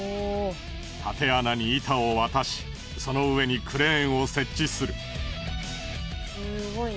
たて穴に板を渡しその上にクレーンを設置する。